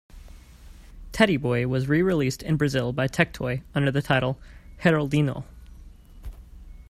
"Teddy Boy" was re-released in Brazil by Tectoy under the title "Geraldinho".